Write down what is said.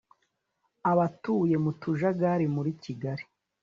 Abatuye mu tujagari muri Kigali